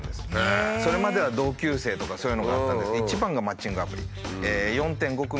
それまでは同級生とかそういうのがあったんですけど一番がマッチングアプリ。